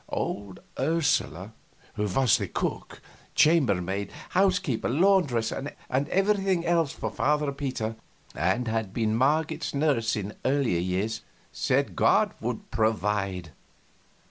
Old Ursula, who was cook, chambermaid, housekeeper, laundress, and everything else for Father Peter, and had been Marget's nurse in earlier years, said God would provide.